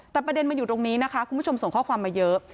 แต่ประเด็นมันอยู่ตรงนี้นะคะคุณผู้ชมส่งข้อความมาเยอะ